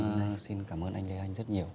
em xin cảm ơn anh lê anh rất nhiều